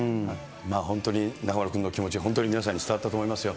本当に中丸君の気持ち、本当に皆さんに伝わったと思いますよ。